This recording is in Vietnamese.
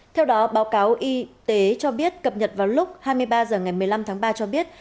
theo đó báo cáo y tế cho biết cập nhật vào lúc hai mươi ba h ngày một mươi năm tháng ba cho biết